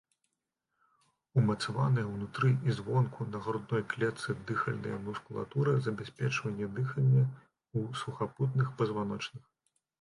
Умацаваная ўнутры і звонку на грудной клетцы дыхальная мускулатура забяспечвае дыханне ў сухапутных пазваночных.